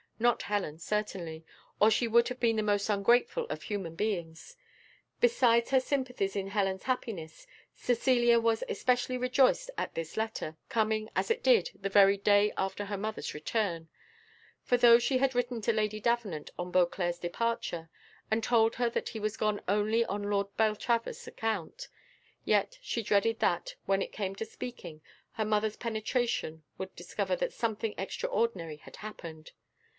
Not Helen, certainly, or she would have been the most ungrateful of human beings. Besides her sympathy in Helen's happiness, Cecilia was especially rejoiced at this letter, coming, as it did, the very day after her mother's return; for though she had written to Lady Davenant on Beauclerc's departure, and told her that he was gone only on Lord Beltravers' account, yet she dreaded that, when it came to speaking, her mother's penetration would discover that something extraordinary had happened.